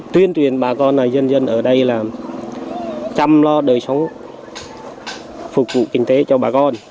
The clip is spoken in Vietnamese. tuyên tuyển bà con là dân dân ở đây là chăm lo đời sống phục vụ kinh tế cho bà con